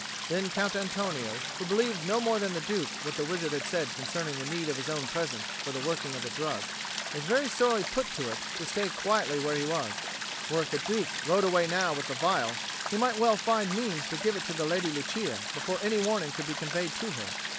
Then Count Antonio, who believed no more than the Duke what the wizard had said concerning the need of his own presence for the working of the drug, was very sorely put to it to stay quietly where he was; for if the Duke rode away now with the phial, he might well find means to give it to the Lady Lucia before any warning could be conveyed to her.